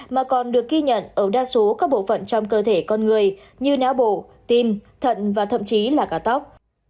mà còn được ghi nhận ở đa số các bộ phận trong cơ thể con người như não bộ tim thận và thậm chí là cả tóc